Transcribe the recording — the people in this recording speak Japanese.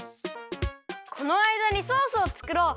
このあいだにソースをつくろう。